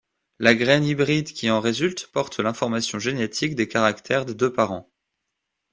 La graine hybride qui en résulte porte l'information génétique des caractères des deux parents.